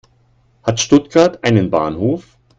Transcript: Hat Stuttgart einen Bahnhof?